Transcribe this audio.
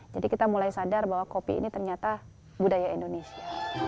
jadi kita mulai sadar bahwa kopi ini ternyata budaya indonesia